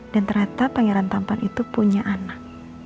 dan ternyata pangeran tampan itu punya anak